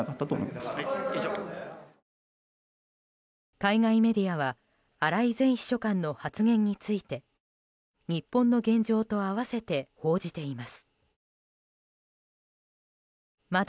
海外メディアは荒井前秘書官の発言について日本の現状と併せて報じています。